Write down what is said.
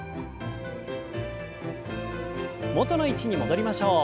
元の位置に戻りましょう。